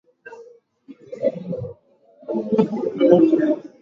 elfu thelathini na tano mia sita themanini na sita